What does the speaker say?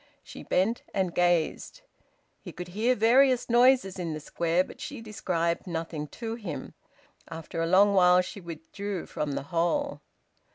She bent and gazed. He could hear various noises in the Square, but she described nothing to him. After a long while she withdrew from the hole.